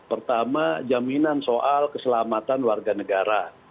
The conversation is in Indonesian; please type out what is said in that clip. pertama jaminan soal keselamatan warga negara